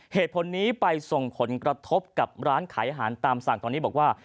เหตุผลนี้ไปส่งผลกระทบกับร้านขายอาหารตามสั่งตอนนี้บอกว่า